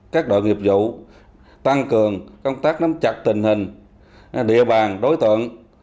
các đội nghiệp vụ tăng cường công tác nắm chặt tình hình địa bàn đối tượng